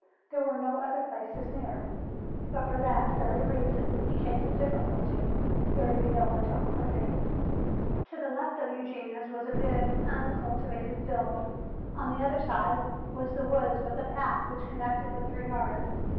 There were no other places near. But for that very reason in case of difficulty there would be no one to offer aid. To the left of Eugenia's was a big, uncultivated field. On the other side was the woods with the path which connected with her yard.